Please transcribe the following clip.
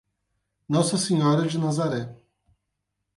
Nossa Senhora de Nazaré